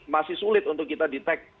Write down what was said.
masih sulit untuk kita detect